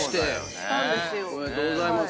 おめでとうございます。